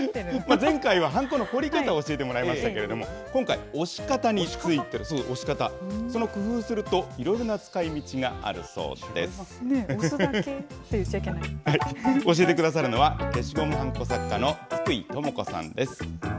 前回ははんこの彫り方を教えてもらいましたけれども、今回、押し方についてです。それを工夫すると、いろんな使い押すだけって言っちゃいけな教えてくださるのは、消しゴムはんこ作家の津久井智子さんです。